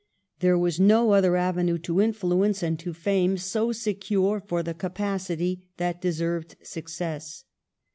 There was no other avenue to influence and to fame so secure for the capacity that deserved success.